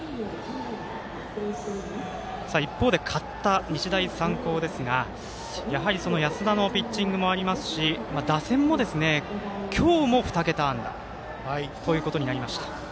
一方で勝った日大三高ですが安田のピッチングもありますし打線も今日も２桁安打ということになりました。